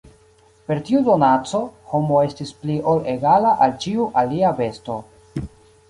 Per tiu donaco, homo estis pli ol egala al ĉiu alia besto.